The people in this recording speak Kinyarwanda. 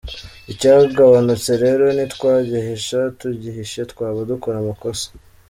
Icyagabanutse rero ntitwagihisha, tugihishe twaba dukora amakosa.